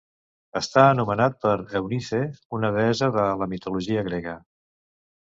Està anomenat per Eunice, una deessa de la mitologia grega.